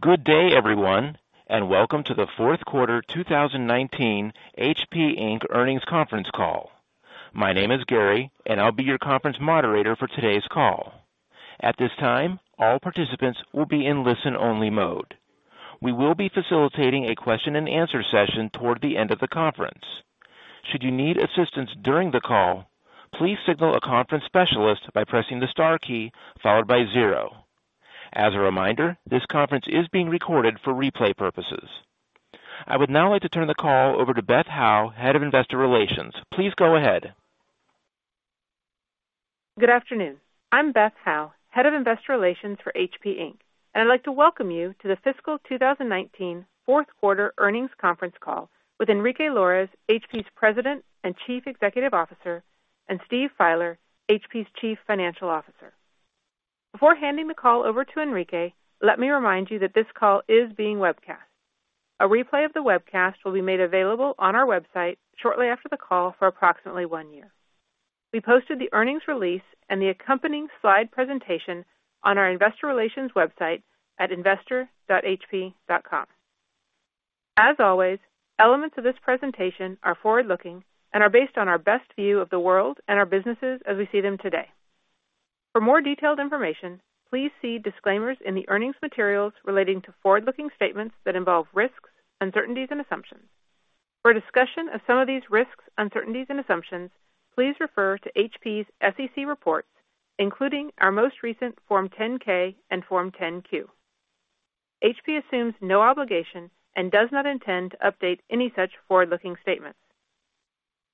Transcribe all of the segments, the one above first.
Good day, everyone, and welcome to the fourth quarter 2019 HP Inc earnings conference call. My name is Gary, and I'll be your conference moderator for today's call. At this time, all participants will be in listen-only mode. We will be facilitating a question and answer session toward the end of the conference. Should you need assistance during the call, please signal a conference specialist by pressing the star key followed by zero. As a reminder, this conference is being recorded for replay purposes. I would now like to turn the call over to Beth Howe, Head of Investor Relations. Please go ahead. Good afternoon. I'm Beth Howe, Head of Investor Relations for HP Inc, and I'd like to welcome you to the fiscal 2019 fourth quarter earnings conference call with Enrique Lores, HP's President and Chief Executive Officer, and Steve Fieler, HP's Chief Financial Officer. Before handing the call over to Enrique, let me remind you that this call is being webcast. A replay of the webcast will be made available on our website shortly after the call for approximately one year. We posted the earnings release and the accompanying slide presentation on our investor relations website at investor.hp.com. As always, elements of this presentation are forward-looking and are based on our best view of the world and our businesses as we see them today. For more detailed information, please see disclaimers in the earnings materials relating to forward-looking statements that involve risks, uncertainties, and assumptions. For a discussion of some of these risks, uncertainties, and assumptions, please refer to HP's SEC reports, including our most recent Form 10-K and Form 10-Q. HP assumes no obligation and does not intend to update any such forward-looking statements.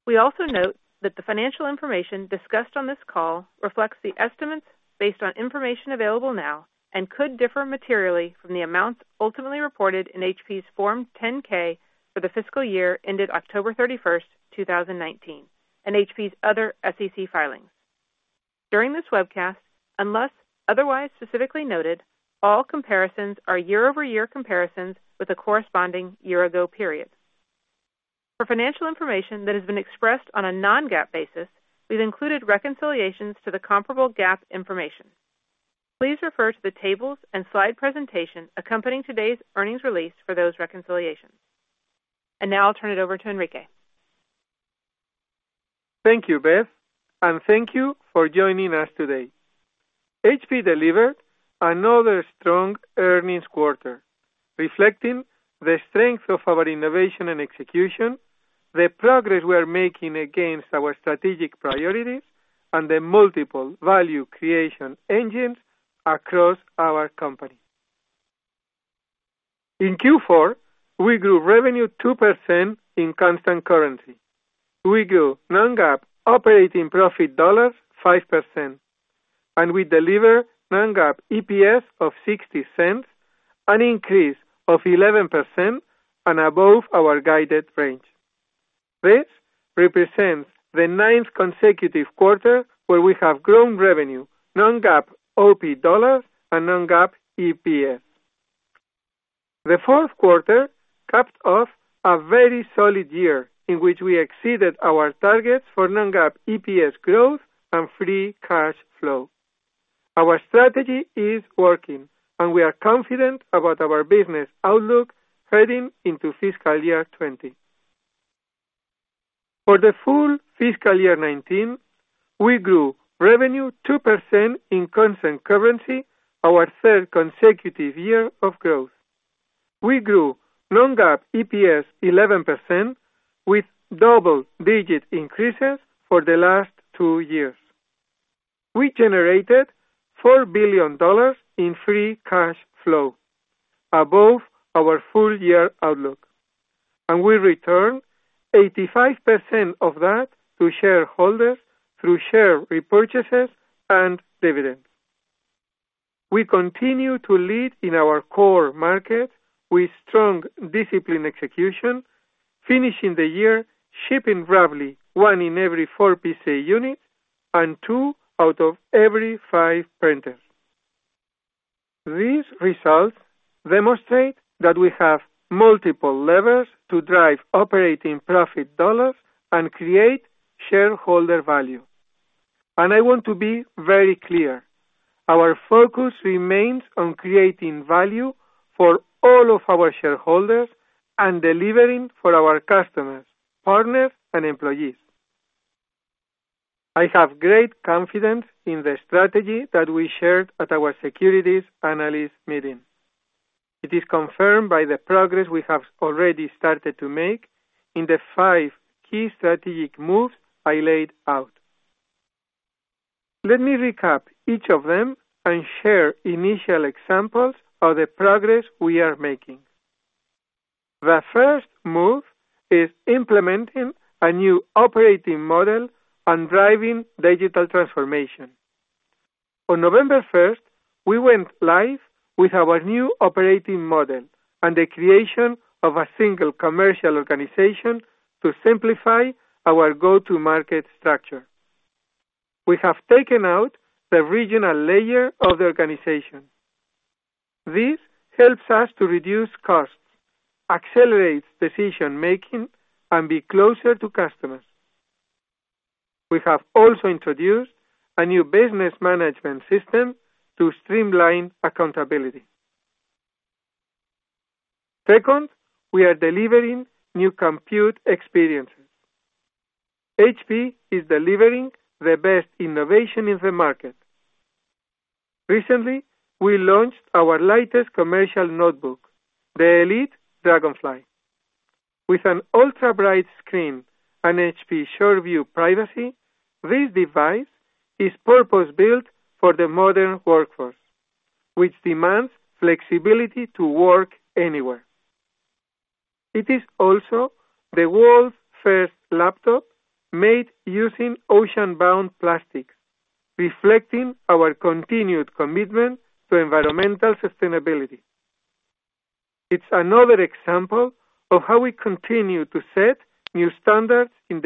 We also note that the financial information discussed on this call reflects the estimates based on information available now and could differ materially from the amounts ultimately reported in HP's Form 10-K for the fiscal year ended October 31st, 2019, and HP's other SEC filings. During this webcast, unless otherwise specifically noted, all comparisons are year-over-year comparisons with the corresponding year-ago period. For financial information that has been expressed on a non-GAAP basis, we've included reconciliations to the comparable GAAP information. Please refer to the tables and slide presentation accompanying today's earnings release for those reconciliations. Now I'll turn it over to Enrique. Thank you, Beth. Thank you for joining us today. HP delivered another strong earnings quarter, reflecting the strength of our innovation and execution, the progress we are making against our strategic priorities, and the multiple value creation engines across our company. In Q4, we grew revenue 2% in constant currency. We grew non-GAAP operating profit dollars 5%, and we delivered non-GAAP EPS of $0.60, an increase of 11% and above our guided range. This represents the ninth consecutive quarter where we have grown revenue, non-GAAP OP dollars, and non-GAAP EPS. The fourth quarter capped off a very solid year in which we exceeded our targets for non-GAAP EPS growth and free cash flow. Our strategy is working, and we are confident about our business outlook heading into fiscal year 2020. For the full fiscal year '19, we grew revenue 2% in constant currency, our third consecutive year of growth. We grew non-GAAP EPS 11% with double-digit increases for the last two years. We generated $4 billion in free cash flow, above our full-year outlook. We returned 85% of that to shareholders through share repurchases and dividends. We continue to lead in our core market with strong, disciplined execution, finishing the year shipping roughly one in every four PC unit and two out of every five printers. These results demonstrate that we have multiple levers to drive operating profit dollars and create shareholder value. I want to be very clear, our focus remains on creating value for all of our shareholders and delivering for our customers, partners, and employees. I have great confidence in the strategy that we shared at our securities analyst meeting. It is confirmed by the progress we have already started to make in the five key strategic moves I laid out. Let me recap each of them and share initial examples of the progress we are making. The first move is implementing a new operating model and driving digital transformation. On November 1st, we went live with our new operating model and the creation of a single commercial organization to simplify our go-to-market structure. We have taken out the regional layer of the organization. This helps us to reduce costs, accelerate decision-making, and be closer to customers. We have also introduced a new business management system to streamline accountability. Second, we are delivering new compute experiences. HP is delivering the best innovation in the market. Recently, we launched our lightest commercial notebook, the Elite Dragonfly. With an ultra-bright screen and HP Sure View Privacy, this device is purpose-built for the modern workforce, which demands flexibility to work anywhere. It is also the world's first laptop made using ocean-bound plastic, reflecting our continued commitment to environmental sustainability. It's another example of how we continue to set new standards in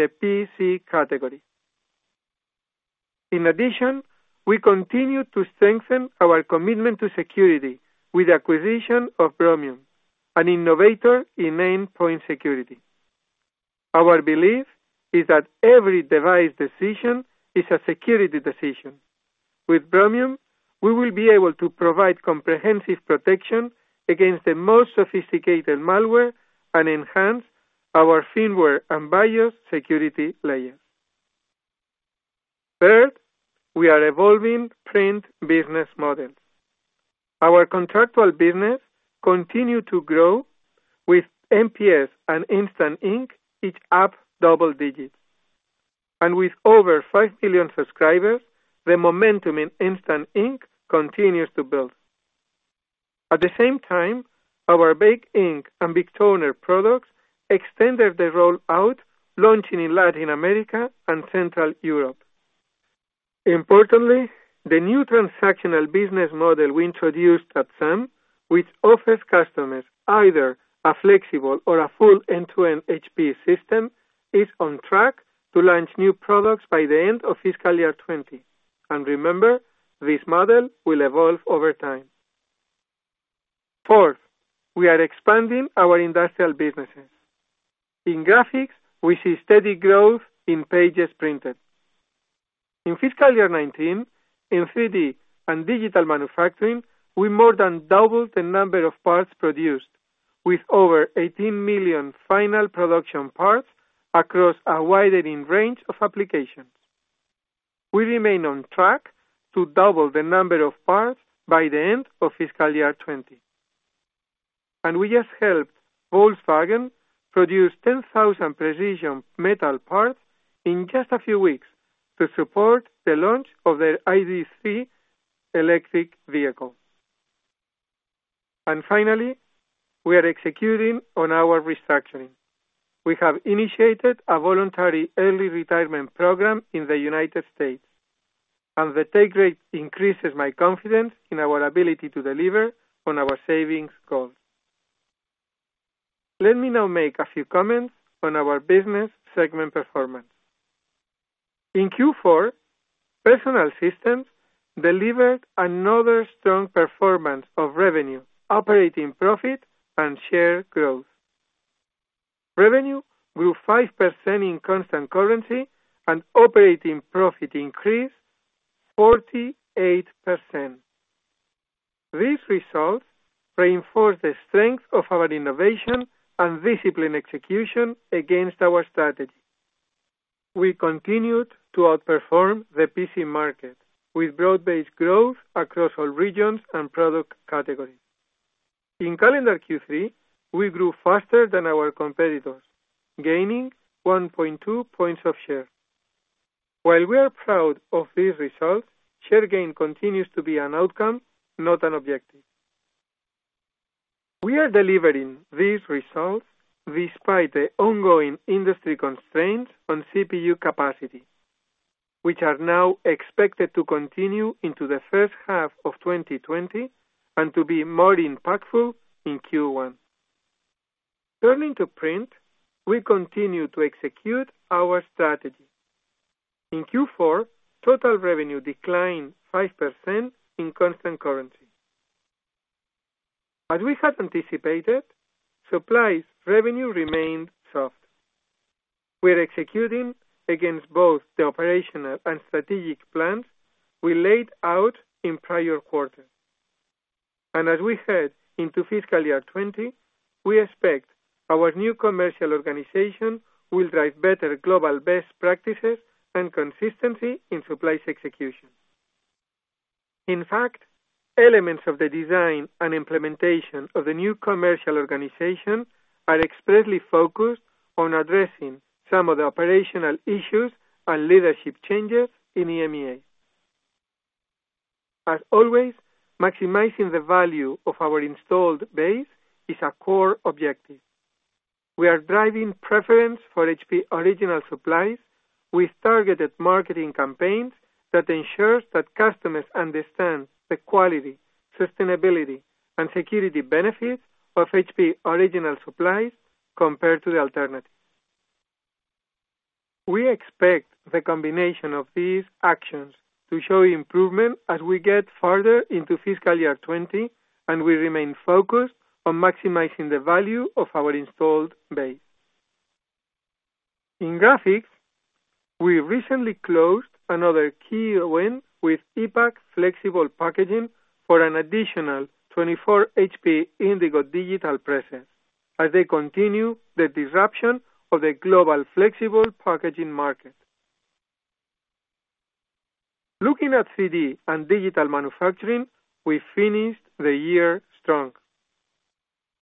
the PC category. In addition, we continue to strengthen our commitment to security with the acquisition of Bromium, an innovator in endpoint security. Our belief is that every device decision is a security decision. With Bromium, we will be able to provide comprehensive protection against the most sophisticated malware and enhance our firmware and BIOS security layers. Third, we are evolving print business models. Our contractual business continue to grow with MPS and Instant Ink, each up double digits. With over five million subscribers, the momentum in Instant Ink continues to build. At the same time, our big ink and big toner products extended the rollout, launching in Latin America and Central Europe. Importantly, the new transactional business model we introduced at SAM, which offers customers either a flexible or a full end-to-end HP system, is on track to launch new products by the end of fiscal year 2020. Remember, this model will evolve over time. Fourth, we are expanding our industrial businesses. In graphics, we see steady growth in pages printed. In fiscal year 2019, in 3D and digital manufacturing, we more than doubled the number of parts produced with over 18 million final production parts across a widening range of applications. We remain on track to double the number of parts by the end of fiscal year 2020. We just helped Volkswagen produce 10,000 precision metal parts in just a few weeks to support the launch of their ID.3 electric vehicle. Finally, we are executing on our restructuring. We have initiated a voluntary early retirement program in the U.S., and the take rate increases my confidence in our ability to deliver on our savings goals. Let me now make a few comments on our business segment performance. In Q4, personal systems delivered another strong performance of revenue, operating profit, and share growth. Revenue grew 5% in constant currency and operating profit increased 48%. These results reinforce the strength of our innovation and discipline execution against our strategy. We continued to outperform the PC market with broad-based growth across all regions and product categories. In calendar Q3, we grew faster than our competitors, gaining 1.2 points of share. While we are proud of these results, share gain continues to be an outcome, not an objective. We are delivering these results despite the ongoing industry constraints on CPU capacity, which are now expected to continue into the first half of 2020 and to be more impactful in Q1. Turning to print, we continue to execute our strategy. In Q4, total revenue declined 5% in constant currency. As we had anticipated, supplies revenue remained soft. We're executing against both the operational and strategic plans we laid out in prior quarters. As we head into fiscal year 2020, we expect our new commercial organization will drive better global best practices and consistency in supplies execution. In fact, elements of the design and implementation of the new commercial organization are expressly focused on addressing some of the operational issues and leadership changes in EMEIA. As always, maximizing the value of our installed base is a core objective. We are driving preference for HP original supplies with targeted marketing campaigns that ensures that customers understand the quality, sustainability, and security benefits of HP original supplies compared to the alternative. We expect the combination of these actions to show improvement as we get further into FY 2020. We remain focused on maximizing the value of our installed base. In graphics, we recently closed another key win with ePac Flexible Packaging for an additional 24 HP Indigo digital presses as they continue the disruption of the global flexible packaging market. Looking at 3D and digital manufacturing, we finished the year strong.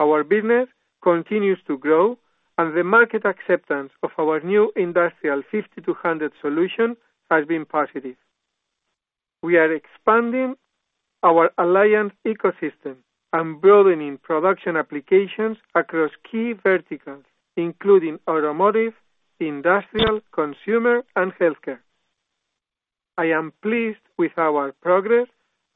Our business continues to grow. The market acceptance of our new industrial 5200 solution has been positive. We are expanding our alliance ecosystem and broadening production applications across key verticals, including automotive, industrial, consumer, and healthcare. I am pleased with our progress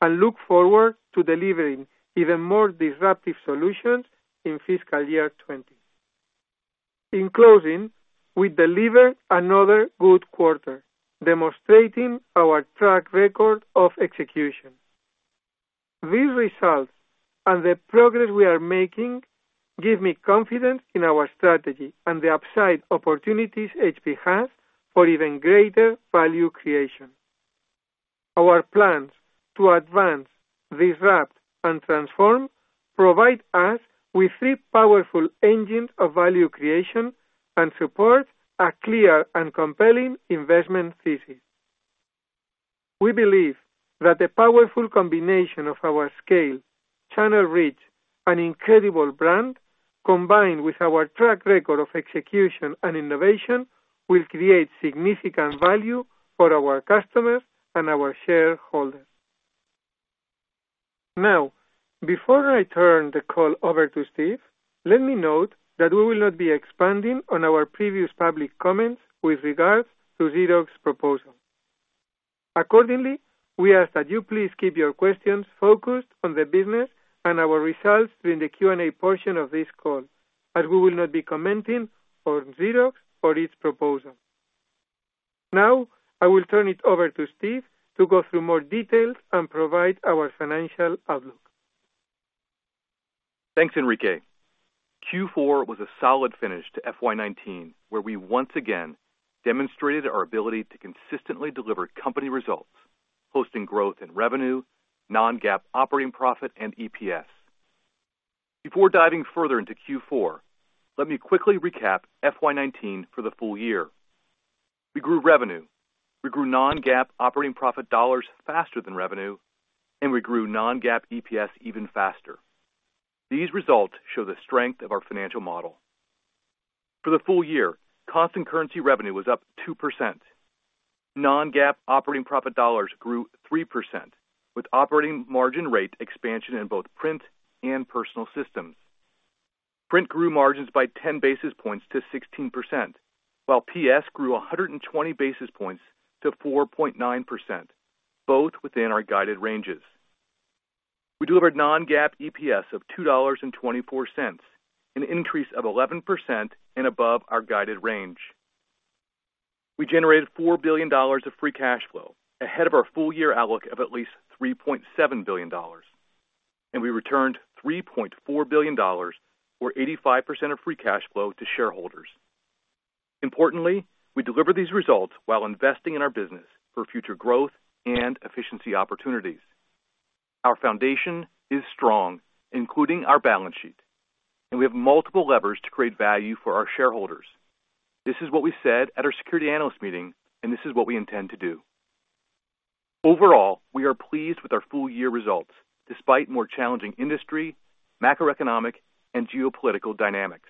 and look forward to delivering even more disruptive solutions in FY '20. In closing, we delivered another good quarter, demonstrating our track record of execution. These results and the progress we are making give me confidence in our strategy and the upside opportunities HP has for even greater value creation. Our plans to advance, disrupt, and transform provide us with three powerful engines of value creation and support a clear and compelling investment thesis. We believe that the powerful combination of our scale, channel reach, and incredible brand, combined with our track record of execution and innovation, will create significant value for our customers and our shareholders. Now, before I turn the call over to Steve, let me note that we will not be expanding on our previous public comments with regards to Xerox proposal. Accordingly, we ask that you please keep your questions focused on the business and our results during the Q&A portion of this call, as we will not be commenting on Xerox or its proposal. Now, I will turn it over to Steve to go through more details and provide our financial outlook. Thanks, Enrique. Q4 was a solid finish to FY '19, where we once again demonstrated our ability to consistently deliver company results, posting growth in revenue, non-GAAP operating profit, and EPS. Before diving further into Q4, let me quickly recap FY '19 for the full year. We grew revenue, we grew non-GAAP operating profit dollars faster than revenue, and we grew non-GAAP EPS even faster. These results show the strength of our financial model. For the full year, constant currency revenue was up 2%. Non-GAAP operating profit dollars grew 3%, with operating margin rate expansion in both Print and Personal Systems. Print grew margins by 10 basis points to 16%, while PS grew 120 basis points to 4.9%, both within our guided ranges. We delivered non-GAAP EPS of $2.24, an increase of 11% and above our guided range. We generated $4 billion of free cash flow, ahead of our full-year outlook of at least $3.7 billion. We returned $3.4 billion, or 85% of free cash flow to shareholders. Importantly, we deliver these results while investing in our business for future growth and efficiency opportunities. Our foundation is strong, including our balance sheet, and we have multiple levers to create value for our shareholders. This is what we said at our security analyst meeting, and this is what we intend to do. Overall, we are pleased with our full-year results, despite more challenging industry, macroeconomic, and geopolitical dynamics.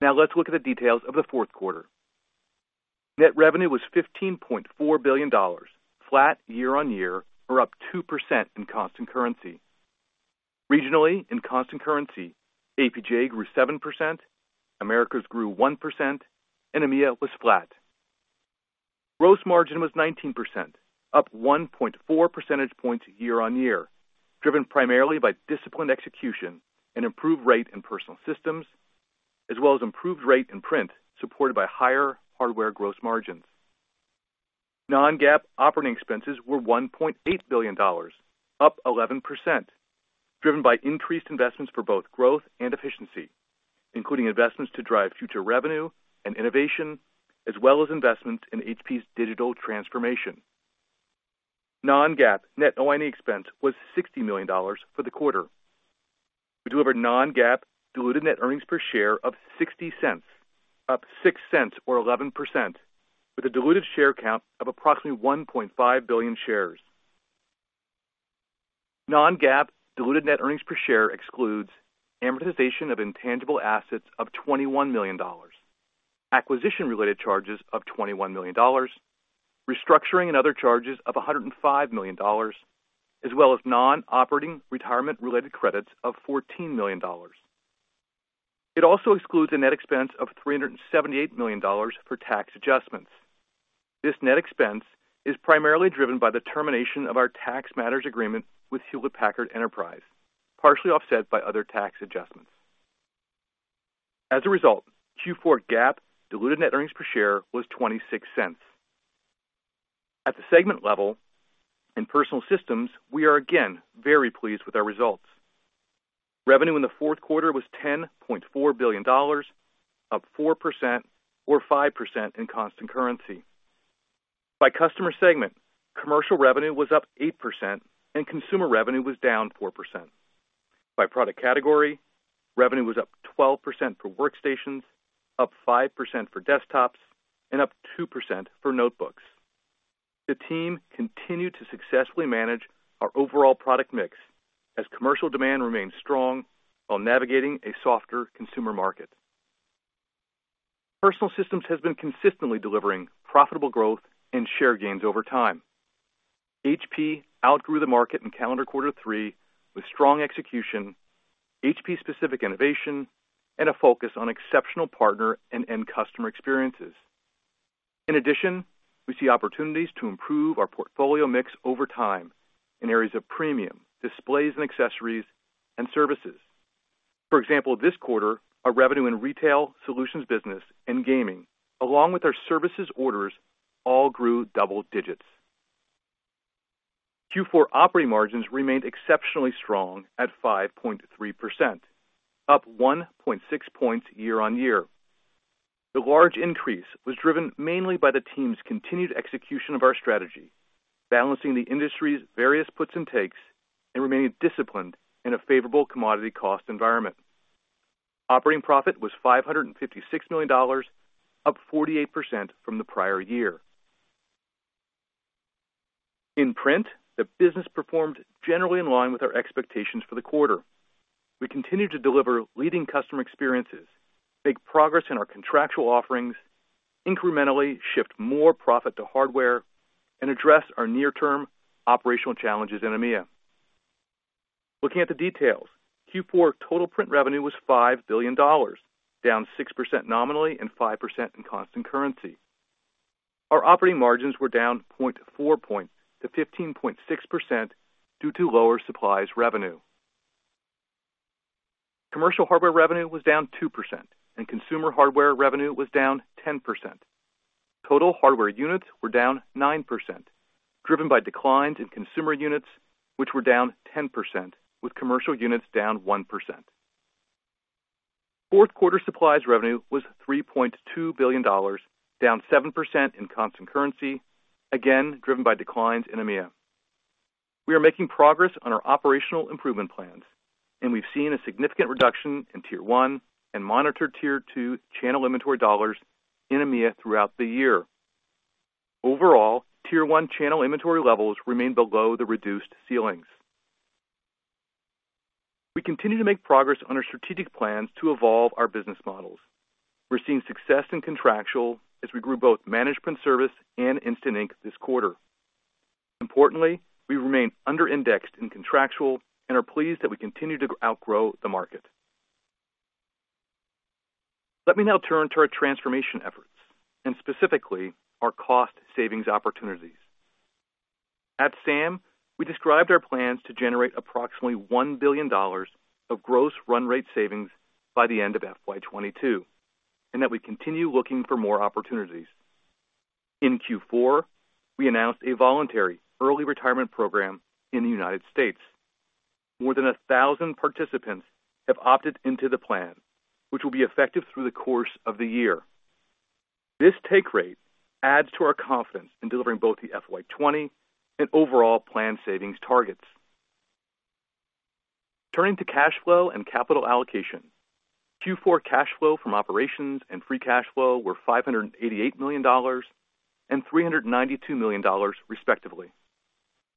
Let's look at the details of the fourth quarter. Net revenue was $15.4 billion, flat year-over-year, or up 2% in constant currency. Regionally, in constant currency, APJ grew 7%, Americas grew 1%, and EMEIA was flat. Gross margin was 19%, up 1.4 percentage points year-on-year, driven primarily by disciplined execution and improved rate in Personal Systems, as well as improved rate in Print, supported by higher hardware gross margins. Non-GAAP operating expenses were $1.8 billion, up 11%, driven by increased investments for both growth and efficiency, including investments to drive future revenue and innovation, as well as investments in HP's digital transformation. Non-GAAP net OIE expense was $60 million for the quarter. We delivered non-GAAP diluted net earnings per share of $0.60, up $0.06 or 11%, with a diluted share count of approximately 1.5 billion shares. Non-GAAP diluted net earnings per share excludes amortization of intangible assets of $21 million, acquisition-related charges of $21 million, restructuring and other charges of $105 million, as well as non-operating retirement-related credits of $14 million. It also excludes a net expense of $378 million for tax adjustments. This net expense is primarily driven by the termination of our tax matters agreement with Hewlett Packard Enterprise, partially offset by other tax adjustments. As a result, Q4 GAAP diluted net earnings per share was $0.26. At the segment level, in Personal Systems, we are again very pleased with our results. Revenue in the fourth quarter was $10.4 billion, up 4% or 5% in constant currency. By customer segment, commercial revenue was up 8% and consumer revenue was down 4%. By product category, revenue was up 12% for workstations, up 5% for desktops, and up 2% for notebooks. The team continued to successfully manage our overall product mix as commercial demand remains strong while navigating a softer consumer market. Personal Systems has been consistently delivering profitable growth and share gains over time. HP outgrew the market in calendar quarter 3 with strong execution, HP specific innovation, and a focus on exceptional partner and end customer experiences. We see opportunities to improve our portfolio mix over time in areas of premium, displays and accessories, and services. This quarter, our revenue and retail solutions business and gaming, along with our services orders, all grew double digits. Q4 operating margins remained exceptionally strong at 5.3%, up 1.6 points year-on-year. The large increase was driven mainly by the team's continued execution of our strategy, balancing the industry's various puts and takes, and remaining disciplined in a favorable commodity cost environment. Operating profit was $556 million, up 48% from the prior year. In Print, the business performed generally in line with our expectations for the quarter. We continued to deliver leading customer experiences, make progress in our contractual offerings, incrementally shift more profit to hardware, and address our near-term operational challenges in EMEIA. Looking at the details, Q4 total print revenue was $5 billion, down 6% nominally and 5% in constant currency. Our operating margins were down 0.4 point to 15.6% due to lower supplies revenue. Commercial hardware revenue was down 2% and consumer hardware revenue was down 10%. Total hardware units were down 9%, driven by declines in consumer units, which were down 10%, with commercial units down 1%. Fourth quarter supplies revenue was $3.2 billion, down 7% in constant currency, again, driven by declines in EMEIA. We are making progress on our operational improvement plans, and we've seen a significant reduction in tier 1 and monitored tier 2 channel inventory dollars in EMEIA throughout the year. Overall, tier 1 channel inventory levels remain below the reduced ceilings. We continue to make progress on our strategic plans to evolve our business models. We're seeing success in contractual as we grew both managed print service and Instant Ink this quarter. Importantly, we remain under-indexed in contractual and are pleased that we continue to outgrow the market. Let me now turn to our transformation efforts and specifically our cost savings opportunities. At SAM, we described our plans to generate approximately $1 billion of gross run rate savings by the end of FY 2022, that we continue looking for more opportunities. In Q4, we announced a voluntary early retirement program in the U.S. More than 1,000 participants have opted into the plan, which will be effective through the course of the year. This take rate adds to our confidence in delivering both the FY 2020 and overall plan savings targets. Turning to cash flow and capital allocation. Q4 cash flow from operations and free cash flow were $588 million and $392 million, respectively.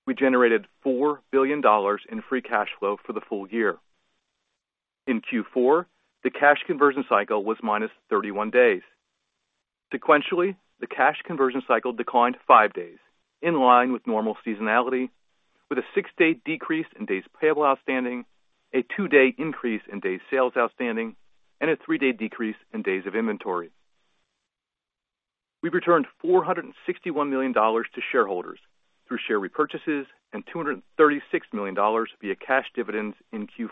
We generated $4 billion in free cash flow for the full year. In Q4, the cash conversion cycle was -31 days. Sequentially, the cash conversion cycle declined five days, in line with normal seasonality, with a six-day decrease in days payable outstanding, a two-day increase in days sales outstanding, and a three-day decrease in days of inventory. We've returned $461 million to shareholders through share repurchases and $236 million via cash dividends in Q4.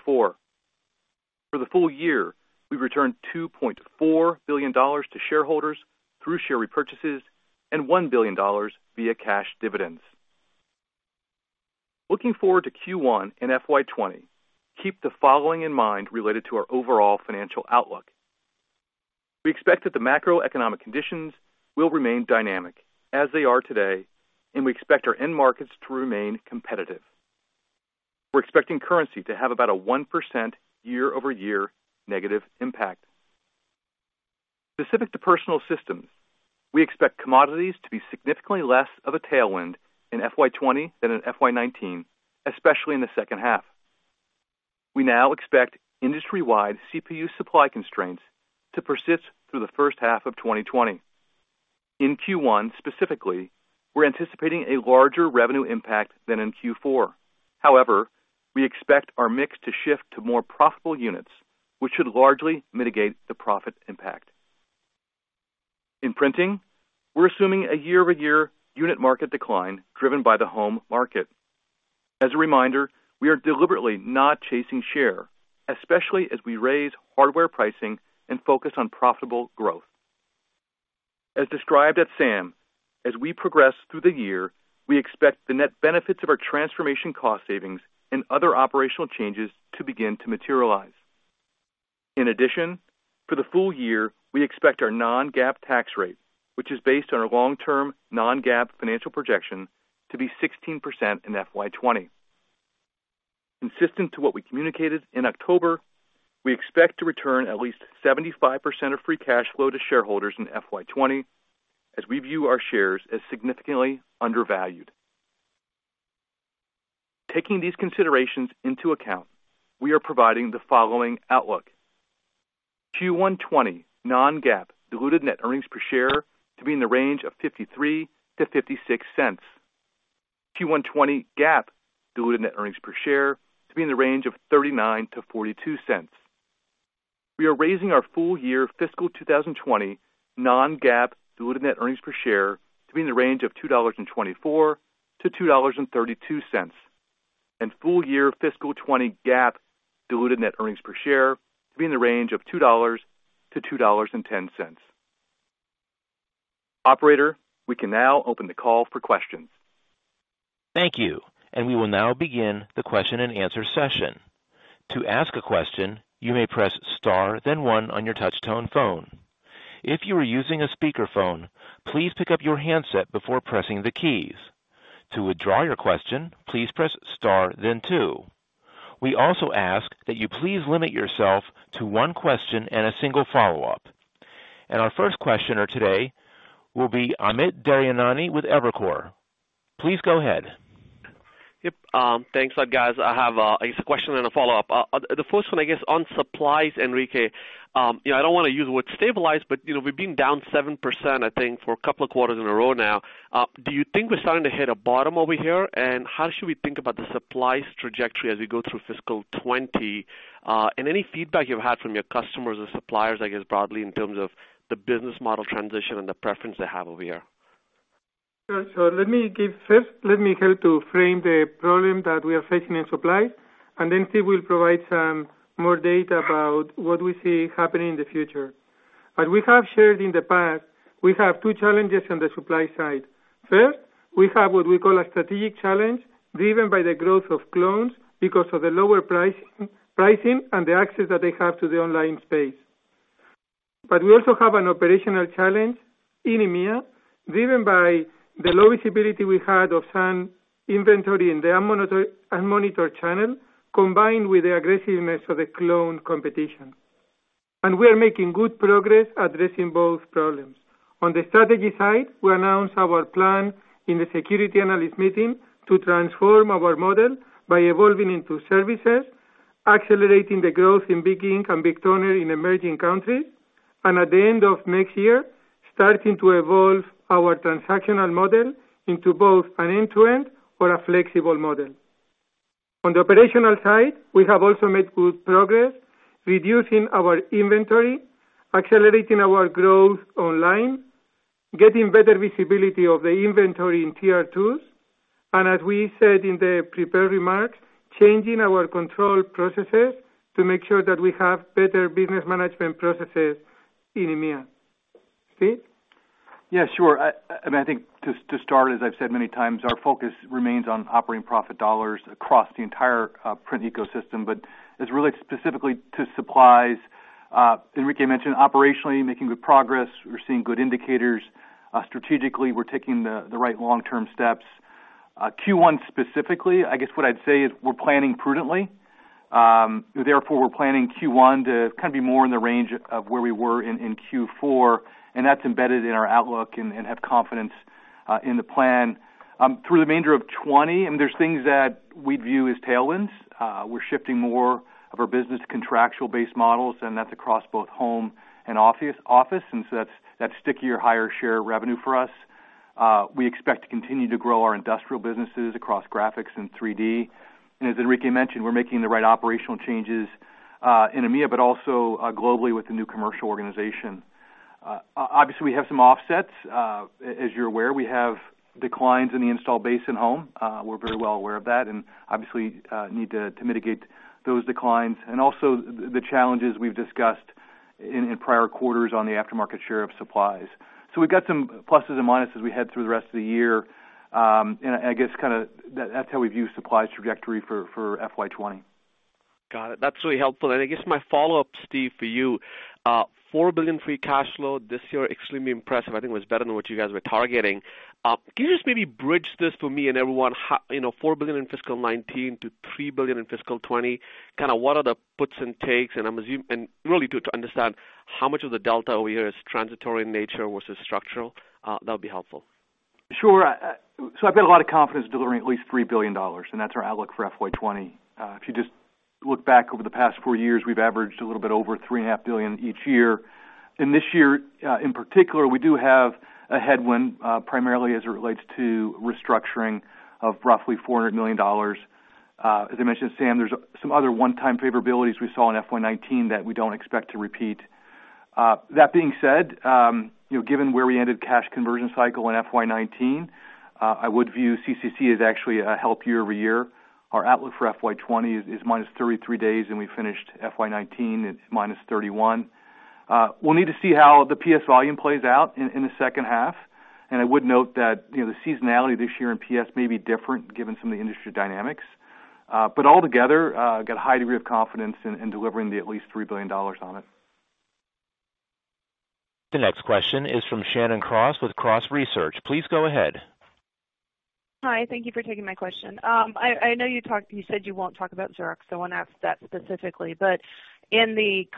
For the full year, we've returned $2.4 billion to shareholders through share repurchases and $1 billion via cash dividends. Looking forward to Q1 and FY 2020, keep the following in mind related to our overall financial outlook. We expect that the macroeconomic conditions will remain dynamic as they are today. We expect our end markets to remain competitive. We're expecting currency to have about a 1% year-over-year negative impact. Specific to Personal Systems, we expect commodities to be significantly less of a tailwind in FY 2020 than in FY 2019, especially in the second half. We now expect industry-wide CPU supply constraints to persist through the first half of 2020. In Q1, specifically, we're anticipating a larger revenue impact than in Q4. However, we expect our mix to shift to more profitable units. Which should largely mitigate the profit impact. In printing, we're assuming a year-over-year unit market decline driven by the home market. As a reminder, we are deliberately not chasing share, especially as we raise hardware pricing and focus on profitable growth. As described at SAM, as we progress through the year, we expect the net benefits of our transformation cost savings and other operational changes to begin to materialize. For the full year, we expect our non-GAAP tax rate, which is based on our long-term non-GAAP financial projection, to be 16% in FY '20. Consistent to what we communicated in October, we expect to return at least 75% of free cash flow to shareholders in FY '20 as we view our shares as significantly undervalued. Taking these considerations into account, we are providing the following outlook. Q1 '20 non-GAAP diluted net earnings per share to be in the range of $0.53-$0.56. Q1 '20 GAAP diluted net earnings per share to be in the range of $0.39-$0.42. We are raising our full year fiscal 2020 non-GAAP diluted net earnings per share to be in the range of $2.24-$2.32. Full year FY 2020 GAAP diluted net earnings per share to be in the range of $2.00-$2.10. Operator, we can now open the call for questions. Thank you, we will now begin the question and answer session. To ask a question, you may press star then one on your touch tone phone. If you are using a speaker phone, please pick up your handset before pressing the keys. To withdraw your question, please press star then two. We also ask that you please limit yourself to one question and a single follow-up. Our first questioner today will be Amit Daryanani with Evercore. Please go ahead. Yep. Thanks, guys. I have I guess a question and a follow-up. The first one, I guess, on supplies, Enrique. I don't want to use the word stabilize, but we've been down 7%, I think, for a couple of quarters in a row now. Do you think we're starting to hit a bottom over here? How should we think about the supplies trajectory as we go through FY 2020? Any feedback you've had from your customers or suppliers, I guess, broadly in terms of the business model transition and the preference they have over here. Sure. Let me give first, let me help to frame the problem that we are facing in supplies, and then Steve will provide some more data about what we see happening in the future. As we have shared in the past, we have two challenges on the supply side. First, we have what we call a strategic challenge driven by the growth of clones because of the lower pricing and the access that they have to the online space. We also have an operational challenge in EMEA driven by the low visibility we had of some inventory in the unmonitored channel, combined with the aggressiveness of the clone competition. We are making good progress addressing both problems. On the strategy side, we announced our plan in the security analyst meeting to transform our model by evolving into services, accelerating the growth in big ink and big toner in emerging countries, and at the end of next year, starting to evolve our transactional model into both an end-to-end or a flexible model. On the operational side, we have also made good progress reducing our inventory, accelerating our growth online, getting better visibility of the inventory in tier 2s, and as we said in the prepared remarks, changing our control processes to make sure that we have better business management processes in EMEIA. Steve? Yeah, sure. I think to start, as I've said many times, our focus remains on operating profit dollars across the entire print ecosystem. As it relates specifically to supplies, Enrique mentioned operationally making good progress. We're seeing good indicators. Strategically, we're taking the right long-term steps. Q1 specifically, I guess what I'd say is we're planning prudently. Therefore, we're planning Q1 to kind of be more in the range of where we were in Q4, and that's embedded in our outlook and have confidence in the plan. Through the remainder of 2020, there's things that we view as tailwinds. We're shifting more of our business to contractual based models, and that's across both home and office, since that's stickier, higher share revenue for us. We expect to continue to grow our industrial businesses across graphics and 3D. As Enrique mentioned, we're making the right operational changes in EMEIA, but also globally with the new commercial organization. Obviously, we have some offsets. As you're aware, we have declines in the installed base in home. We're very well aware of that and obviously need to mitigate those declines. Also, the challenges we've discussed in prior quarters on the aftermarket share of supplies. We've got some pluses and minuses as we head through the rest of the year. I guess kind of that's how we view supplies trajectory for FY 2020. Got it. That's really helpful. I guess my follow-up, Steve, for you. $4 billion free cash flow this year, extremely impressive. I think it was better than what you guys were targeting. Can you just maybe bridge this for me and everyone? $4 billion in fiscal 2019 to $3 billion in fiscal 2020. Kind of what are the puts and takes? Really to understand how much of the delta over here is transitory in nature versus structural? That would be helpful. Sure. I've got a lot of confidence delivering at least $3 billion, and that's our outlook for FY 2020. If you just look back over the past 4 years, we've averaged a little bit over $3.5 billion each year. This year, in particular, we do have a headwind, primarily as it relates to restructuring of roughly $400 million. As I mentioned to Sam, there's some other one-time favorabilities we saw in FY 2019 that we don't expect to repeat. That being said, given where we ended cash conversion cycle in FY 2019, I would view CCC as actually a help year-over-year. Our outlook for FY 2020 is minus 33 days, and we finished FY 2019 at minus 31. We'll need to see how the PS volume plays out in the second half. I would note that the seasonality this year in PS may be different given some of the industry dynamics. All together, got a high degree of confidence in delivering the at least $3 billion on it. The next question is from Shannon Cross with Cross Research. Please go ahead. Hi, thank you for taking my question. I know you said you won't talk about Xerox, so I won't ask that specifically. In the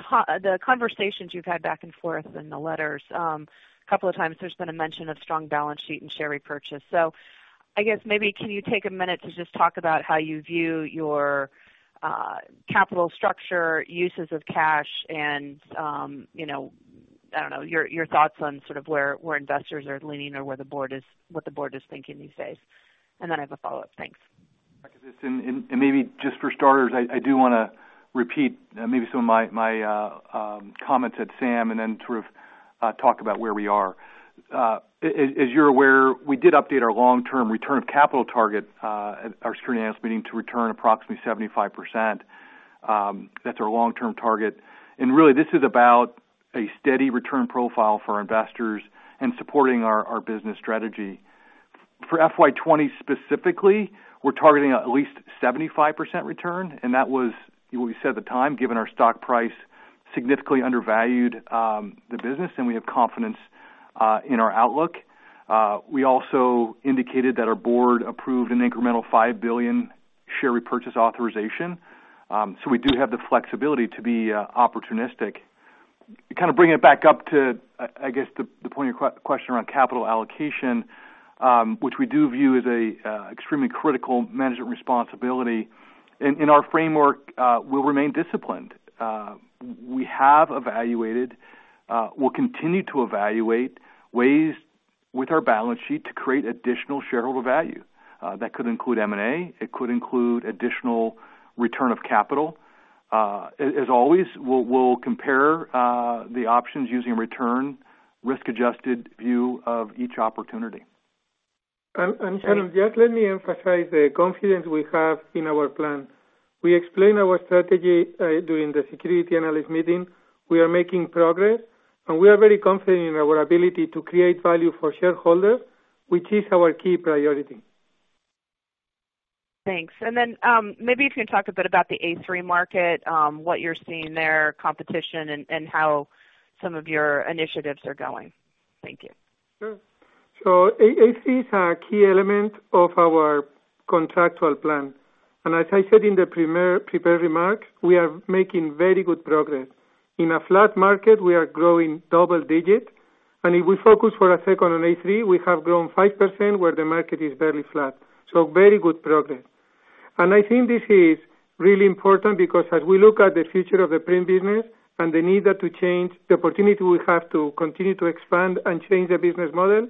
conversations you've had back and forth in the letters, a couple of times there's been a mention of strong balance sheet and share repurchase. I guess maybe, can you take a minute to just talk about how you view your capital structure, uses of cash, and, I don't know, your thoughts on sort of where investors are leaning or what the board is thinking these days? Then I have a follow-up. Thanks. Maybe just for starters, I do want to repeat maybe some of my comments at SAM and then sort of talk about where we are. As you're aware, we did update our long-term return of capital target at our security analyst meeting to return approximately 75%. That's our long-term target. Really, this is about a steady return profile for our investors and supporting our business strategy. For FY 2020 specifically, we're targeting at least 75% return, and that was what we said at the time, given our stock price significantly undervalued the business, and we have confidence in our outlook. We also indicated that our board approved an incremental 5 billion share repurchase authorization. We do have the flexibility to be opportunistic. Kind of bringing it back up to, I guess, the point of your question around capital allocation, which we do view as a extremely critical management responsibility. In our framework, we'll remain disciplined. We have evaluated, we'll continue to evaluate ways with our balance sheet to create additional shareholder value. That could include M&A, it could include additional return of capital. As always, we'll compare the options using return risk-adjusted view of each opportunity. Shannon, just let me emphasize the confidence we have in our plan. We explained our strategy during the security analyst meeting. We are making progress, and we are very confident in our ability to create value for shareholders, which is our key priority. Thanks. Maybe if you can talk a bit about the A3 market, what you're seeing there, competition, and how some of your initiatives are going. Thank you. Sure. A3 is a key element of our contractual plan. As I said in the prepared remarks, we are making very good progress. In a flat market, we are growing double digits, and if we focus for a second on A3, we have grown 5% where the market is barely flat. Very good progress. I think this is really important because as we look at the future of the print business and the need to change the opportunity we have to continue to expand and change the business model,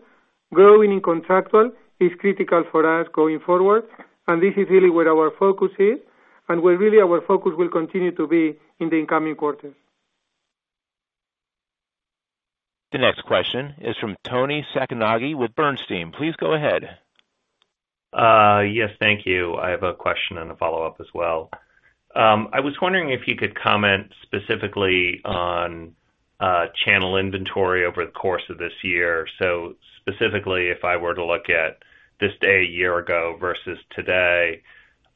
growing in contractual is critical for us going forward, and this is really where our focus is, and where really our focus will continue to be in the incoming quarters. The next question is from Toni Sacconaghi with Bernstein. Please go ahead. Yes, thank you. I have a question and a follow-up as well. I was wondering if you could comment specifically on channel inventory over the course of this year. Specifically, if I were to look at this day a year ago versus today,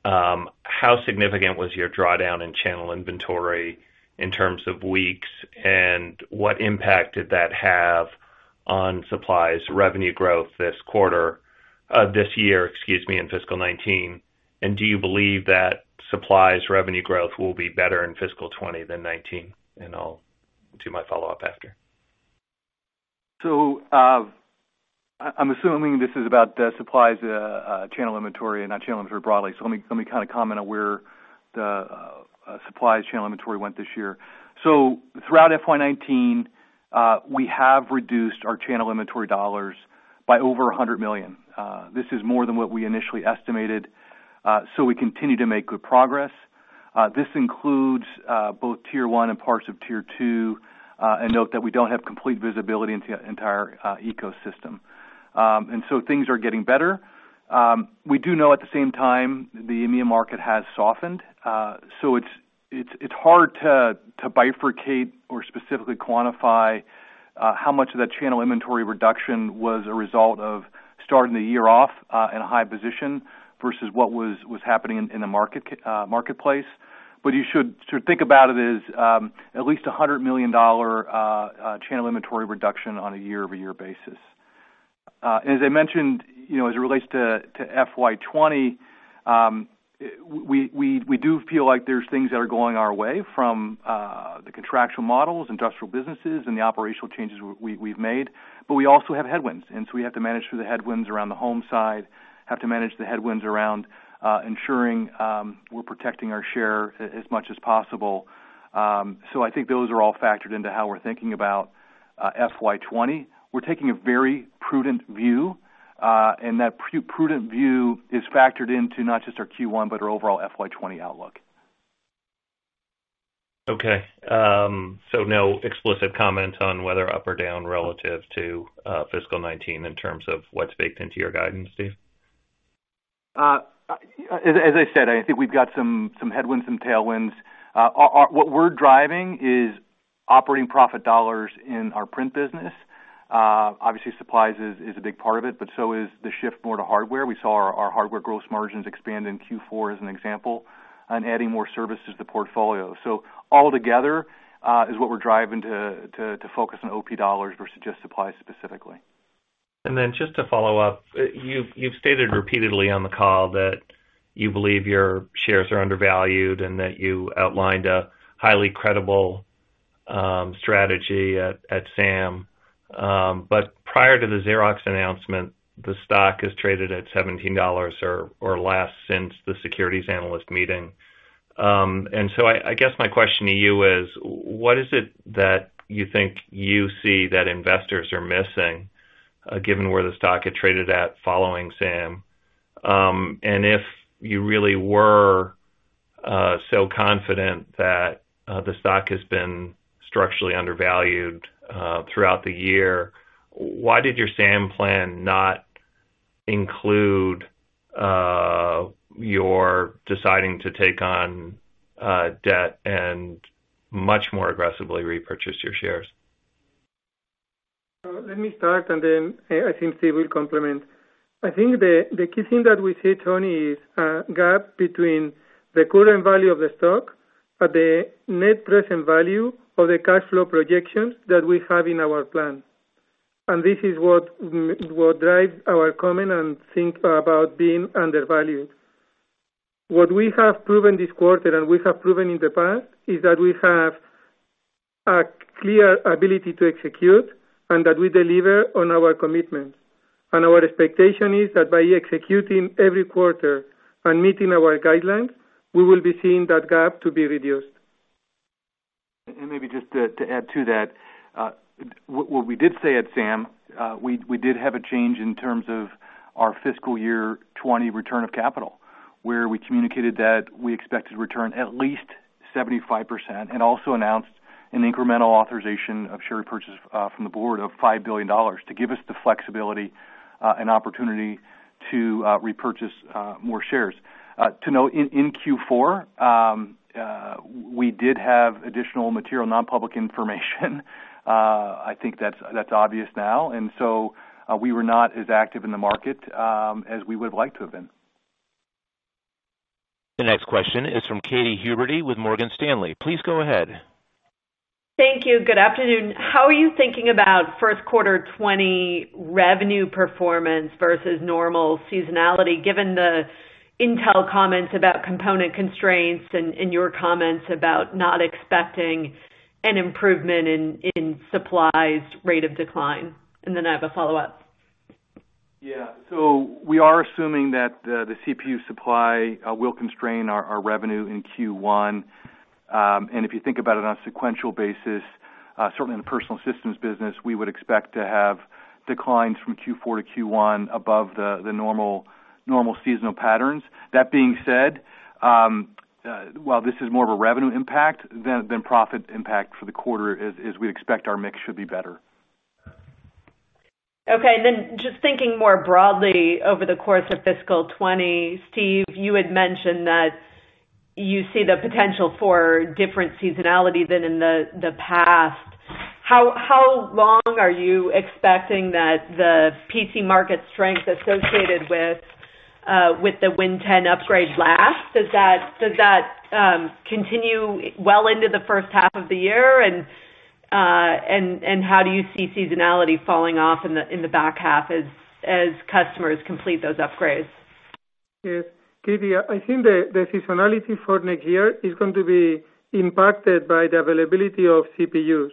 how significant was your drawdown in channel inventory in terms of weeks, and what impact did that have on supplies revenue growth this year, excuse me, in FY '19? Do you believe that supplies revenue growth will be better in FY '20 than FY '19? I'll do my follow-up after. I'm assuming this is about the supplies channel inventory and not channel inventory broadly. Let me kind of comment on where the supplies channel inventory went this year. Throughout FY '19, we have reduced our channel inventory dollars by over $100 million. This is more than what we initially estimated. We continue to make good progress. This includes both tier 1 and parts of tier 2, and note that we don't have complete visibility into the entire ecosystem. Things are getting better. We do know at the same time, the EMEIA market has softened. It's hard to bifurcate or specifically quantify how much of that channel inventory reduction was a result of starting the year off in a high position versus what was happening in the marketplace. You should think about it as at least $100 million channel inventory reduction on a year-over-year basis. As I mentioned, as it relates to FY '20, we do feel like there's things that are going our way from the contractual models, industrial businesses, and the operational changes we've made. We also have headwinds, we have to manage through the headwinds around the home side, have to manage the headwinds around ensuring we're protecting our share as much as possible. I think those are all factored into how we're thinking about FY '20. We're taking a very prudent view, and that prudent view is factored into not just our Q1, but our overall FY '20 outlook. Okay. No explicit comment on whether up or down relative to fiscal 2019 in terms of what's baked into your guidance, Steve? As I said, I think we've got some headwinds, some tailwinds. What we're driving is operating profit dollars in our print business. Obviously, supplies is a big part of it, but so is the shift more to hardware. We saw our hardware gross margins expand in Q4 as an example, and adding more services to portfolio. All together, is what we're driving to focus on OP dollars versus just supplies specifically. Then just to follow up, you've stated repeatedly on the call that you believe your shares are undervalued and that you outlined a highly credible strategy at SAM. Prior to the Xerox announcement, the stock has traded at $17 or less since the securities analyst meeting. So I guess my question to you is, what is it that you think you see that investors are missing, given where the stock had traded at following SAM? If you really were so confident that the stock has been structurally undervalued throughout the year, why did your SAM plan not include your deciding to take on debt and much more aggressively repurchase your shares? Let me start, and then I think Steve will complement. I think the key thing that we see, Toni, is a gap between the current value of the stock, but the net present value of the cash flow projections that we have in our plan. This is what drives our comment and think about being undervalued. What we have proven this quarter, and we have proven in the past, is that we have a clear ability to execute and that we deliver on our commitments. Our expectation is that by executing every quarter and meeting our guidelines, we will be seeing that gap to be reduced. Maybe just to add to that. What we did say at SAM, we did have a change in terms of our fiscal year 2020 return of capital, where we communicated that we expected return at least 75%, and also announced an incremental authorization of share repurchase from the board of $5 billion to give us the flexibility and opportunity to repurchase more shares. To note, in Q4, we did have additional material, non-public information. I think that's obvious now, and so we were not as active in the market as we would like to have been. The next question is from Katy Huberty with Morgan Stanley. Please go ahead. Thank you. Good afternoon. How are you thinking about first quarter 2020 revenue performance versus normal seasonality, given the Intel comments about component constraints and your comments about not expecting an improvement in supplies rate of decline? I have a follow-up. Yeah. We are assuming that the CPU supply will constrain our revenue in Q1. If you think about it on a sequential basis, certainly in the Personal Systems business, we would expect to have declines from Q4 to Q1 above the normal seasonal patterns. That being said, while this is more of a revenue impact than profit impact for the quarter, as we expect our mix should be better. Okay. Just thinking more broadly over the course of fiscal 2020, Steve, you had mentioned that you see the potential for different seasonality than in the past. How long are you expecting that the PC market strength associated with the Win 10 upgrade last? Does that continue well into the first half of the year, and how do you see seasonality falling off in the back half as customers complete those upgrades? Yes. Katy, I think the seasonality for next year is going to be impacted by the availability of CPUs.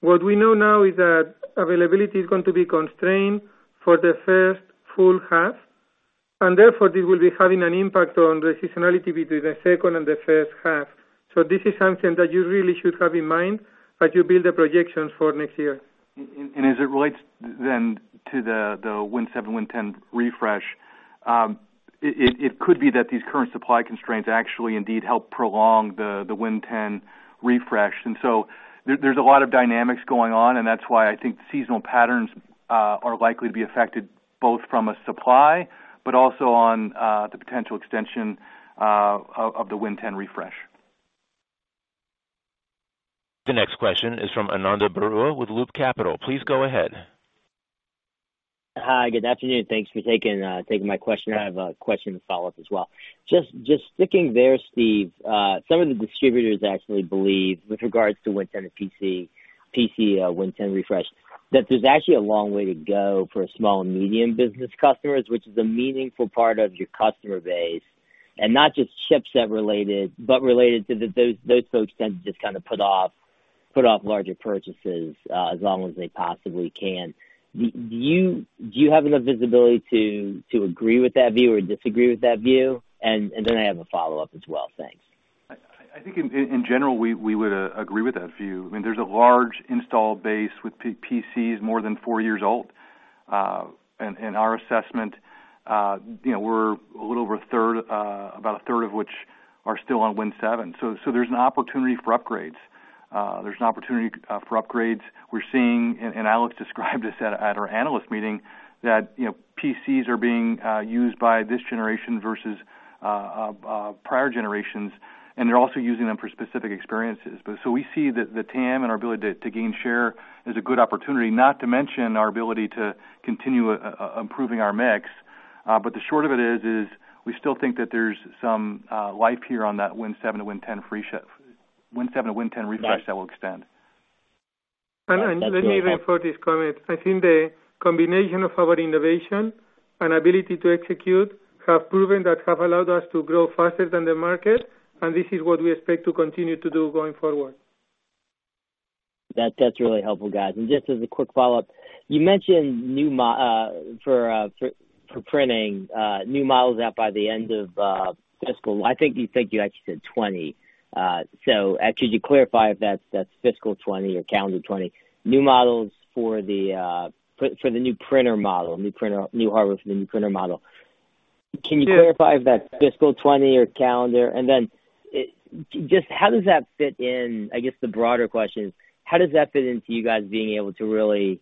What we know now is that availability is going to be constrained for the first full half, and therefore, this will be having an impact on the seasonality between the second and the first half. This is something that you really should have in mind as you build the projections for next year. As it relates then to the Win 7, Win 10 refresh, it could be that these current supply constraints actually indeed help prolong the Win 10 refresh. There's a lot of dynamics going on, and that's why I think seasonal patterns are likely to be affected both from a supply, but also on the potential extension of the Win 10 refresh. The next question is from Ananda Baruah with Loop Capital. Please go ahead. Hi, good afternoon. Thanks for taking my question. I have a question to follow up as well. Just sticking there, Steve. Some of the distributors actually believe with regards to Win 10 PC Win 10 refresh, that there's actually a long way to go for small and medium business customers, which is a meaningful part of your customer base. Not just chipset related, but related to those folks tend to just kind of put off Put off larger purchases as long as they possibly can. Do you have enough visibility to agree with that view or disagree with that view? I have a follow-up as well. Thanks. I think in general, we would agree with that view. There's a large install base with PCs more than four years old. Our assessment, we're a little over a third, about a third of which are still on Win 7. There's an opportunity for upgrades. We're seeing, Alex described this at our analyst meeting, that PCs are being used by this generation versus prior generations, and they're also using them for specific experiences. We see that the TAM and our ability to gain share is a good opportunity, not to mention our ability to continue improving our mix. The short of it is we still think that there's some life here on that Win 7 to Win 10 refresh that will extend. That's really helpful. Let me add for this comment. I think the combination of our innovation and ability to execute have proven that have allowed us to grow faster than the market, and this is what we expect to continue to do going forward. That's really helpful, guys. Just as a quick follow-up, you mentioned for printing, new models out by the end of fiscal 2020, I think you actually said 2020. Could you clarify if that's fiscal 2020 or calendar 2020? New models for the new printer model, new hardware for the new printer model. Sure. Can you clarify if that's FY 2020 or calendar? I guess the broader question is, how does that fit into you guys being able to really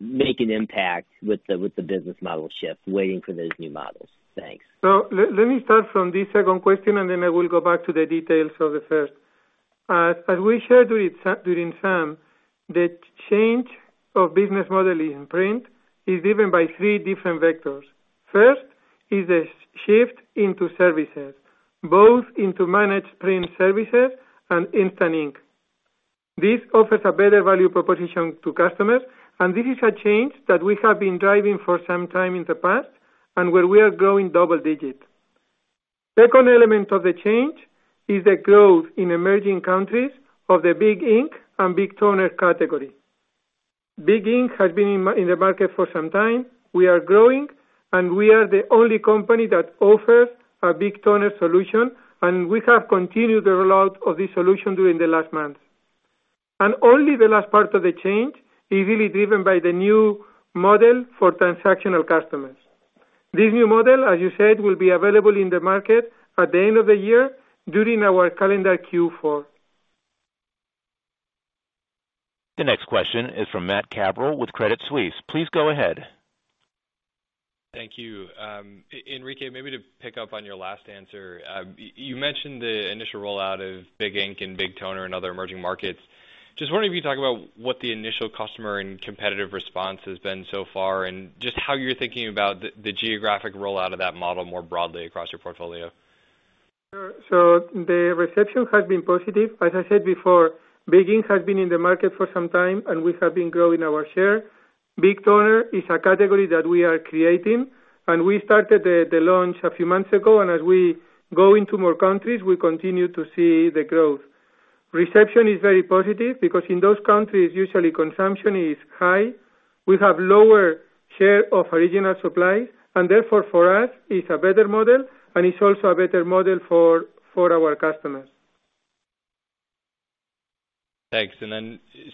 make an impact with the business model shift, waiting for those new models? Thanks. Let me start from this 2nd question, and then I will go back to the details of the 1st. As we shared during SAM, the change of business model in print is driven by 3 different vectors. 1st is a shift into services, both into managed print services and Instant Ink. This offers a better value proposition to customers, and this is a change that we have been driving for some time in the past, and where we are growing double digits. 2nd element of the change is the growth in emerging countries of the Big Ink and Big Toner category. Big Ink has been in the market for some time. We are growing, and we are the only company that offers a Big Toner solution, and we have continued the rollout of this solution during the last month. Only the last part of the change is really driven by the new model for transactional customers. This new model, as you said, will be available in the market at the end of the year during our calendar Q4. The next question is from Matt Cabral with Credit Suisse. Please go ahead. Thank you. Enrique, maybe to pick up on your last answer. You mentioned the initial rollout of big ink and big toner in other emerging markets. Just wondering if you could talk about what the initial customer and competitive response has been so far, and just how you're thinking about the geographic rollout of that model more broadly across your portfolio. Sure. The reception has been positive. As I said before, big ink has been in the market for some time, and we have been growing our share. big toner is a category that we are creating, and we started the launch a few months ago, and as we go into more countries, we continue to see the growth. Reception is very positive because in those countries, usually consumption is high. We have lower share of original supply, and therefore for us, it's a better model, and it's also a better model for our customers. Thanks.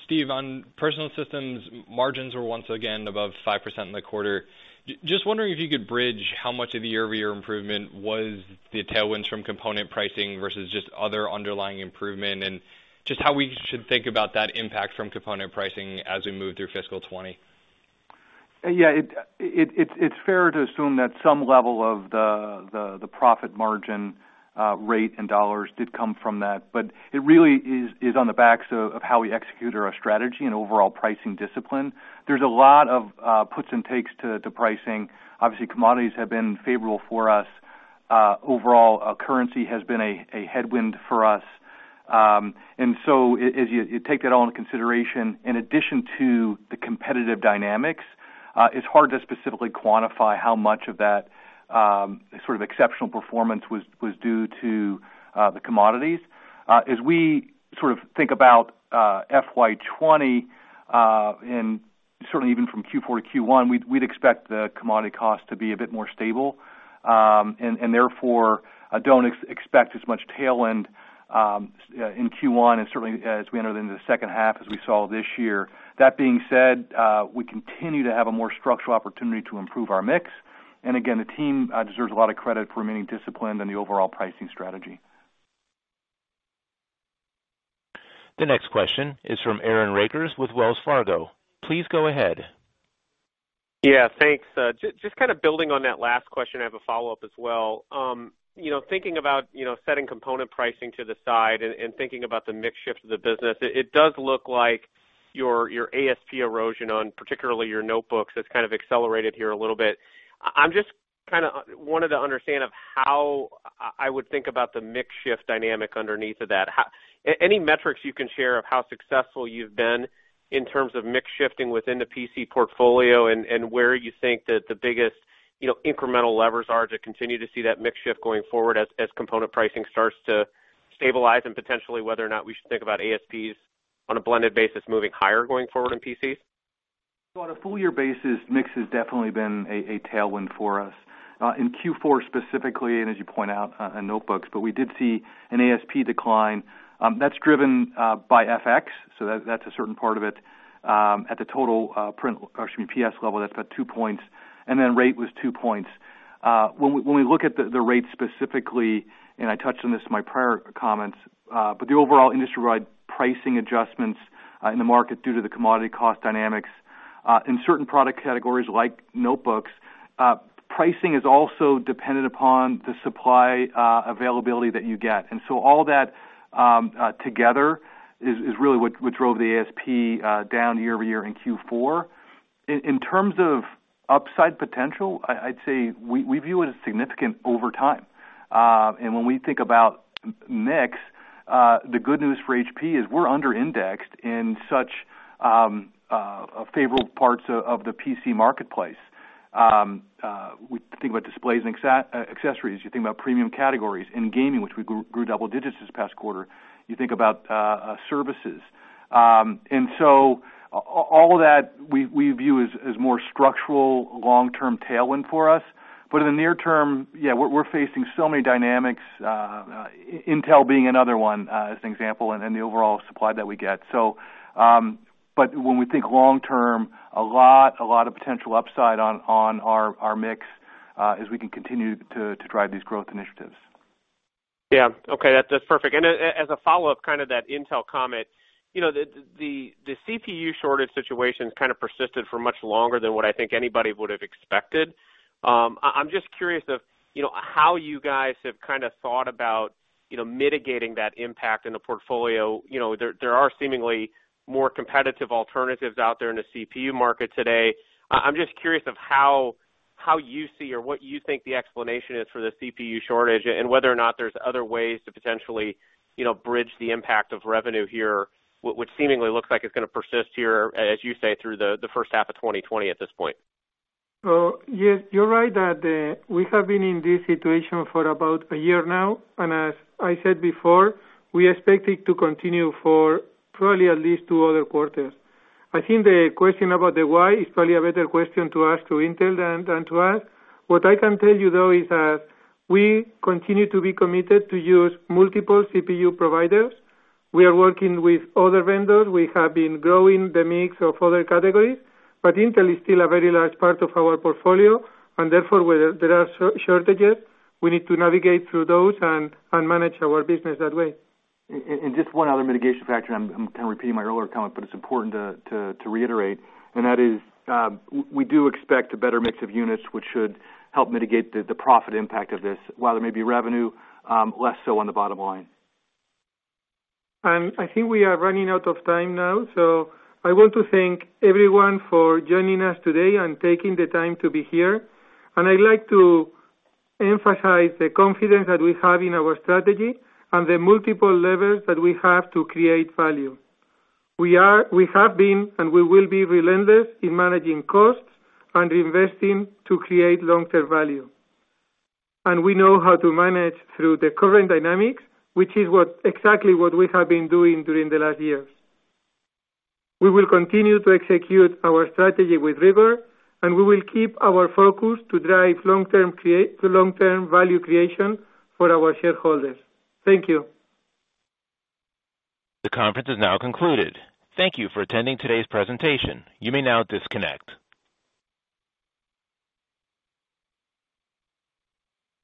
Steve, on personal systems, margins were once again above 5% in the quarter. Just wondering if you could bridge how much of the year-over-year improvement was the tailwinds from component pricing versus just other underlying improvement, and just how we should think about that impact from component pricing as we move through FY 2020. Yeah. It's fair to assume that some level of the profit margin rate in $ did come from that. It really is on the backs of how we execute our strategy and overall pricing discipline. There's a lot of puts and takes to pricing. Obviously, commodities have been favorable for us. Overall, currency has been a headwind for us. As you take that all into consideration, in addition to the competitive dynamics, it's hard to specifically quantify how much of that sort of exceptional performance was due to the commodities. As we think about FY '20, and certainly even from Q4 to Q1, we'd expect the commodity cost to be a bit more stable. Therefore, don't expect as much tailwind in Q1 and certainly as we enter into the second half as we saw this year. That being said, we continue to have a more structural opportunity to improve our mix. Again, the team deserves a lot of credit for remaining disciplined on the overall pricing strategy. The next question is from Aaron Rakers with Wells Fargo. Please go ahead. Yeah, thanks. Just kind of building on that last question, I have a follow-up as well. Thinking about setting component pricing to the side and thinking about the mix shift of the business, it does look like your ASP erosion on particularly your notebooks has kind of accelerated here a little bit. I just kind of wanted to understand of how I would think about the mix shift dynamic underneath of that. Any metrics you can share of how successful you've been in terms of mix shifting within the PC portfolio and where you think that the biggest incremental levers are to continue to see that mix shift going forward as component pricing starts to stabilize, and potentially whether or not we should think about ASPs on a blended basis moving higher going forward in PCs? On a full year basis, mix has definitely been a tailwind for us. In Q4 specifically, and as you point out, on notebooks, but we did see an ASP decline that's driven by FX. That's a certain part of it. At the total PS level, that's about two points, and then rate was two points. When we look at the rate specifically, and I touched on this in my prior comments, but the overall industry-wide pricing adjustments in the market due to the commodity cost dynamics, in certain product categories like notebooks, pricing is also dependent upon the supply availability that you get. All that together is really what drove the ASP down year-over-year in Q4. In terms of upside potential, I'd say we view it as significant over time. When we think about mix, the good news for HP is we're under-indexed in such favorable parts of the PC marketplace. We think about displays and accessories, you think about premium categories in gaming, which we grew double digits this past quarter. You think about services. All of that we view as more structural long-term tailwind for us. In the near term, yeah, we're facing so many dynamics, Intel being another one as an example, and the overall supply that we get. When we think long term, a lot of potential upside on our mix as we can continue to drive these growth initiatives. Yeah. Okay. That's perfect. As a follow-up, that Intel comment. The CPU shortage situation has persisted for much longer than what I think anybody would have expected. I'm just curious of how you guys have thought about mitigating that impact in the portfolio. There are seemingly more competitive alternatives out there in the CPU market today. I'm just curious of how you see or what you think the explanation is for the CPU shortage, and whether or not there's other ways to potentially bridge the impact of revenue here, which seemingly looks like it's going to persist here, as you say, through the first half of 2020 at this point. Yes, you're right that we have been in this situation for about a year now, and as I said before, we expect it to continue for probably at least two other quarters. I think the question about the why is probably a better question to ask to Intel than to us. What I can tell you, though, is that we continue to be committed to use multiple CPU providers. We are working with other vendors. We have been growing the mix of other categories, but Intel is still a very large part of our portfolio, and therefore, where there are shortages, we need to navigate through those and manage our business that way. Just one other mitigation factor, I'm kind of repeating my earlier comment, but it's important to reiterate, and that is, we do expect a better mix of units, which should help mitigate the profit impact of this. While there may be revenue, less so on the bottom line. I think we are running out of time now, so I want to thank everyone for joining us today and taking the time to be here. I'd like to emphasize the confidence that we have in our strategy and the multiple levers that we have to create value. We have been, and we will be relentless in managing costs and investing to create long-term value. We know how to manage through the current dynamics, which is exactly what we have been doing during the last years. We will continue to execute our strategy with rigor, and we will keep our focus to drive long-term value creation for our shareholders. Thank you. The conference is now concluded. Thank you for attending today's presentation. You may now disconnect.